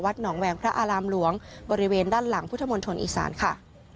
หนองแหวงพระอารามหลวงบริเวณด้านหลังพุทธมณฑลอีสานค่ะ